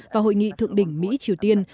và hội nghị thượng đỉnh mỹ triều tiên